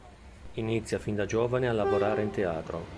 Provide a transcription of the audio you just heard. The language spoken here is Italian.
Inizia fin da giovane a lavorare in teatro.